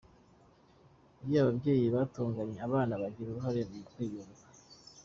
Iyo ababyeyi batonganye, abana bagira uruhare mu kwiyunga.